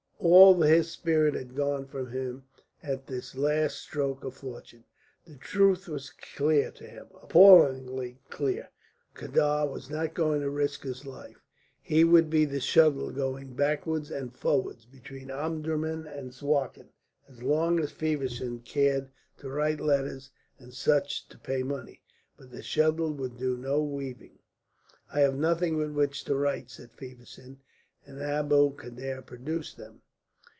All his spirit had gone from him at this last stroke of fortune. The truth was clear to him, appallingly clear. Abdul Kader was not going to risk his life; he would be the shuttle going backwards and forwards between Omdurman and Suakin as long as Feversham cared to write letters and Sutch to pay money. But the shuttle would do no weaving. "I have nothing with which to write," said Feversham, and Abdul Kader produced them.